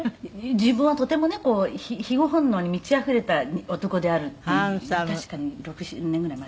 「自分はとてもね庇護本能に満ちあふれた男であるっていうふうに確かね６７年ぐらい前」